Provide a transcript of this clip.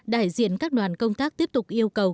đại diện các đoàn công tác tiếp tục yêu cầu